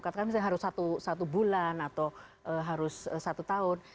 katakan misalnya harus satu bulan atau harus satu tahun